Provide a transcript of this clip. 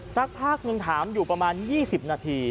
สักพักหนึ่งถามอยู่ประมาณ๒๐นาที